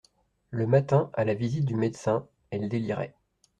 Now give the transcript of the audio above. Le matin, à la visite du médecin, elle délirait.